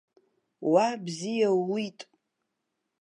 Уа, бзиа ууит!